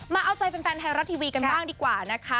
มาเอาใจแฟนไทยรัฐทีวีกันบ้างดีกว่านะคะ